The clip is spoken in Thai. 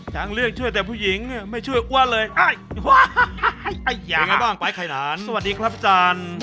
ท้องรถทางยังอีกยาวกลายอ้อ